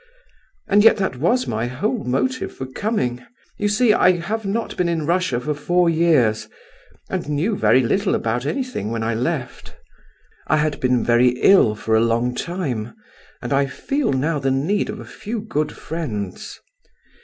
And yet that was my whole motive for coming. You see I have not been in Russia for four years, and knew very little about anything when I left. I had been very ill for a long time, and I feel now the need of a few good friends.